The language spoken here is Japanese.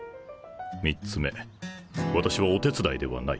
３つ目私はお手伝いではない。